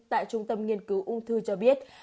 tại trung tâm nghiên cứu ung thư cho biết